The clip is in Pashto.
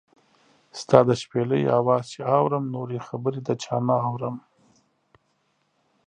ستا د شپېلۍ اواز چې اورم، نورې خبرې د چا نۀ اورم